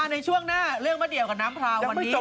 ในช่วงหน้าเรื่องมาเดี่ยวกับน้ำพลาว